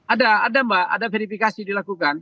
ada ada mbak ada verifikasi dilakukan